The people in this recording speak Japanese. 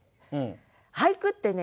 俳句ってね